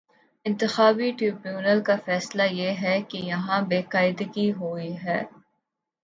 انتخابی ٹربیونل کا فیصلہ یہ ہے کہ یہاں بے قاعدگی ہو ئی ہے۔